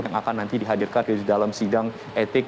yang akan nanti dihadirkan di dalam sidang etik